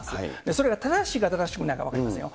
それが正しいか、正しくないか分かりませんよ。